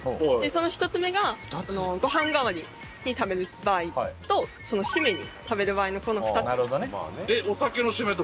その１つ目がご飯代わりに食べる場合とシメに食べる場合のこの２つ。